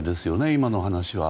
今の話は。